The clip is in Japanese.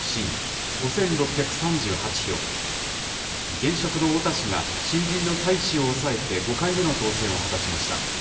現職の太田氏が、新人の田井氏を抑えて５回目の当選を果たしました。